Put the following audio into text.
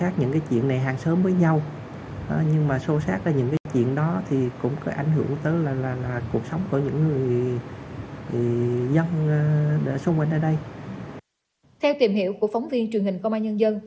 theo tìm hiểu của phóng viên truyền hình công an nhân dân